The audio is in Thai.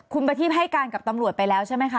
คุณประทีพให้การกับตำรวจไปแล้วใช่ไหมคะ